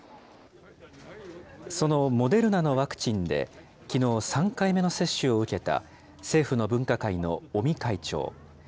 そのモデルナのワクチンできのう、３回目の接種を受けた政府の分科会の尾身会長。